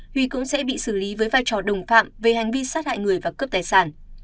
huy cũng sẽ bị xử lý với vai trò đồng phạm về hành vi sát hại người và cướp tài sản